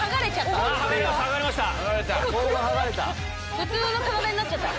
普通のかなでになっちゃった。